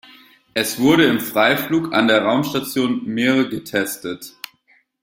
Es wurde im Freiflug an der Raumstation Mir getestet.